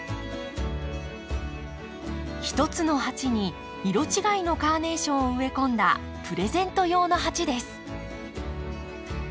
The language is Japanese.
一つの鉢に色違いのカーネーションを植え込んだプレゼント用の鉢です。